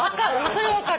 それは分かる。